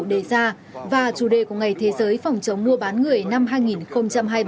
đề ra và chủ đề của ngày thế giới phòng chống mua bán người năm hai nghìn hai mươi ba